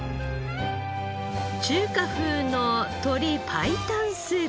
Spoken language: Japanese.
中華風の鶏白湯スープ。